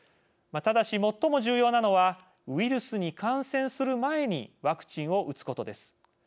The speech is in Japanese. ただし、最も重要なのはウイルスに感染する前にワクチンを打つことです。